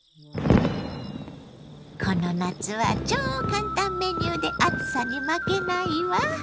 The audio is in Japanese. この夏は超簡単メニューで暑さに負けないわ。